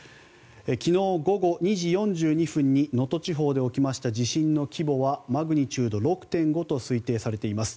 昨日午後２時４２分に能登地方で起きた地震の規模はマグニチュード６．５と推定されています。